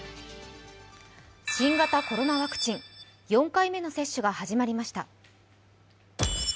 新型コロナワクチン、４回目の接種が始まりました。